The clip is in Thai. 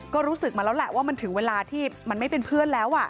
ก็รู้สึกมาแล้วแหละว่ามันถึงเวลาที่มันไม่เป็นเพื่อนแล้ว